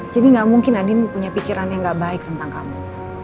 jadi enggak mungkin andin punya pikiran yang gak baik tentang kamu